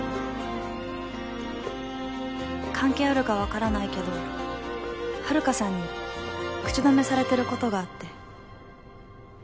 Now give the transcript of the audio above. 関係あるかわからないけど遥さんに口止めされてることがあって。